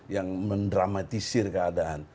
yang mendramatisir keadaan